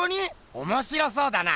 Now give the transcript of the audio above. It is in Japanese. おもしろそうだな。